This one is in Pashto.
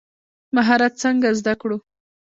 مهارت څنګه زده کړو؟